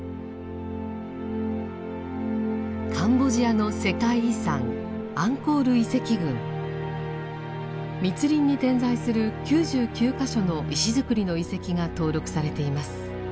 カンボジアの世界遺産密林に点在する９９か所の石造りの遺跡が登録されています。